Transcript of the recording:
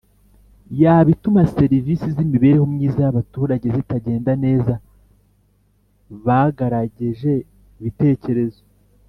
Yaba ituma serivisi z imibereho myiza y abaturage zitagenda neza bagarageje ibitekerezo